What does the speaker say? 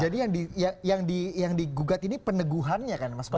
jadi yang di gugat ini peneguhannya kan mas bayu